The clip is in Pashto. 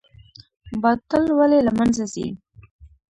باطل ولې له منځه ځي؟